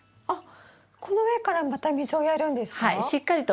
あっこの上からまた水をやるんですか？